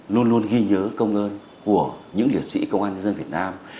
luôn luôn ghi nhớ công ơn của những liệt sĩ công an nhân dân việt nam